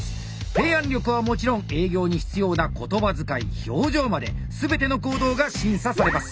提案力はもちろん営業に必要な言葉遣い表情まで全ての行動が審査されます。